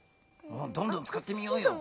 どんどんつかってみようよ。